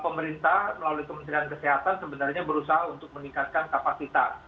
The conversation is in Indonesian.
pemerintah melalui kementerian kesehatan sebenarnya berusaha untuk meningkatkan kapasitas